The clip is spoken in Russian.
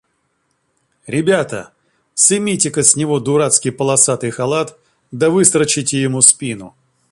Ребята! сымите-ка с него дурацкий полосатый халат, да выстрочите ему спину.